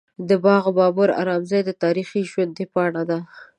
د باغ بابر ارام ځای د تاریخ ژوندۍ پاڼه ده.